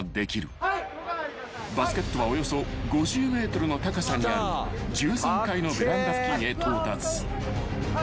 ［バスケットはおよそ５０ｍの高さにある１３階のベランダ付近へ到達］